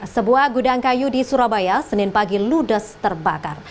sebuah gudang kayu di surabaya senin pagi ludes terbakar